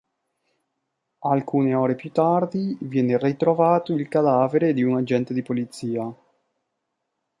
Alcune ore più tardi, viene ritrovato il cadavere di un agente di polizia.